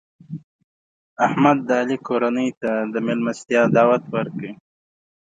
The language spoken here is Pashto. احمد د علي کورنۍ ته د مېلمستیا دعوت ورکړ.